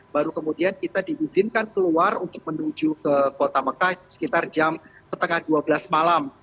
baru kemudian kita diizinkan keluar untuk menuju ke kota mekah sekitar jam setengah dua belas malam